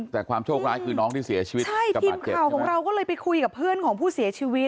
แต่ความโชคร้ายคือน้องที่เสียชีวิต